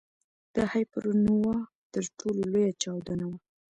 د هایپرنووا تر ټولو لویه چاودنه ده.